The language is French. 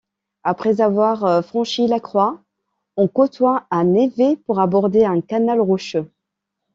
Après avoir franchi la croix, on côtoie un névé pour aborder un canal rocheux.